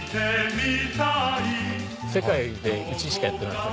世界でうちしかやってないです。